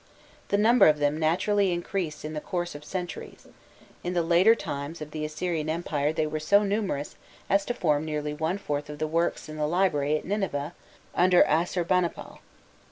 The number of them naturally increased in the course of centuries; in the later times of the Assyrian empire they were so numerous as to form nearly one fourth of the works in the library at Nineveh under Assurbanipal.